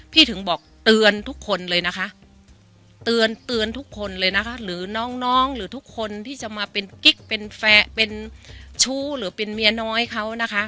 ถึงบอกเตือนทุกคนเลยนะคะเตือนเตือนทุกคนเลยนะคะหรือน้องน้องหรือทุกคนที่จะมาเป็นกิ๊กเป็นแฟนเป็นชู้หรือเป็นเมียน้อยเขานะคะ